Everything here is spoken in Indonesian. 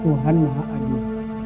tuhan maha aduh